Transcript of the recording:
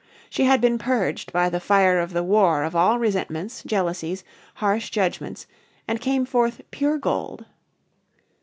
She had been purged by the fire of the war of all resentments, jealousies, harsh judgments, and came forth pure gold....